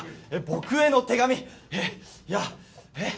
僕への手紙えっいやえっ？